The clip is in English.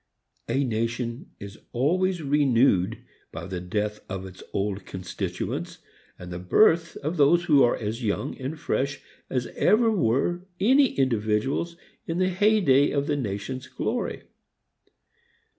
A nation is always renewed by the death of its old constituents and the birth of those who are as young and fresh as ever were any individuals in the hey day of the nation's glory.